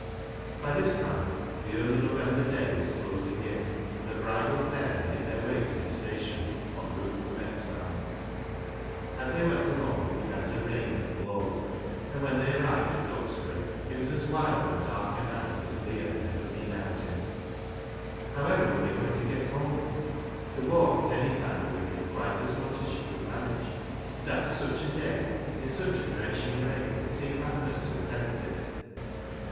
By this time the early November day was closing in, and the bridal pair made their way to the station en route for Beckside. As they went along it began to rain and blow, and when they arrived at Duxbury it was as wild and dark a night as Leah had ever been out in. LEAH'S LOVER 103 However were they going to get home ? The walk at any time would have been quite as much as she could manage, but after such a day, and in such a drenching rain, it seemed madness to attempt it.